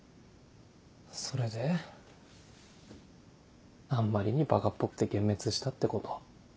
それであんまりにばかっぽくて幻滅したってこと？